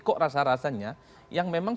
kok rasa rasanya yang memang